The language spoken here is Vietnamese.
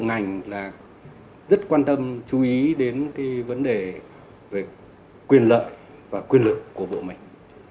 khi mà làm thẩm tra các cái luật thì các bộ ngành là rất quan tâm chú ý đến cái vấn đề về quyền lợi và quyền lực của bộ mình